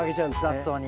雑草に。